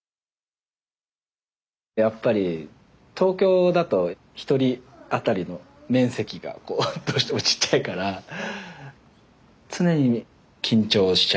やっぱり東京だと１人当たりの面積がどうしてもちっちゃいから常に緊張しちゃうんだと思うんですよね。